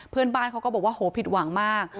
เพื่อนบ้านเขาก็บอกว่าโหผิดหวังมาก